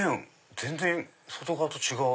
全然外側と違う。